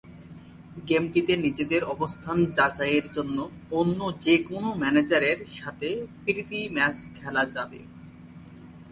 গেমটিতে নিজেদের অবস্থান যাচাইয়ের জন্য অন্য যেকোনো ম্যানেজারের সাথে প্রীতি ম্যাচ খেলা যাবে।